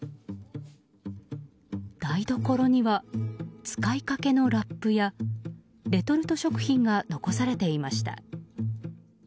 台所には使いかけのラップやレトルト食品が残されていました。